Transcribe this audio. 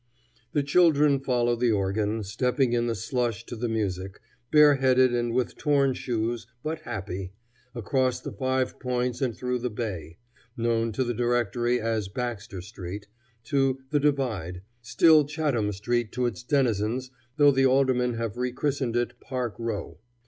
The children follow the organ, stepping in the slush to the music, bareheaded and with torn shoes, but happy, across the Five Points and through "the Bay," known to the directory as Baxter street, to "the Divide," still Chatham street to its denizens though the aldermen have rechristened it Park Row.